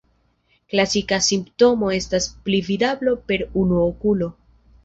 Klasika simptomo estas pli-vidado per unu okulo.